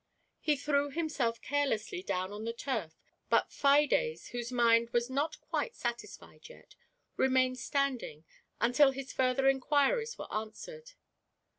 He threw himself carelessly down on the turf, but Fides^ whose mind was not quite satisfied yet, remained stand ing until his further inquiries were answered.